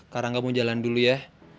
karangga mau jalan dulu ya